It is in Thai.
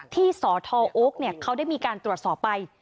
ที่สทโอ๊คเขาได้มีการตรวจสอบไป